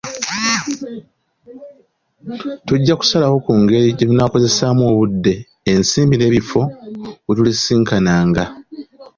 Tujja kusalawo ku ngeri gye tunaakozesaamu obudde, ensimbi n'ebifo wetulisisinkananga.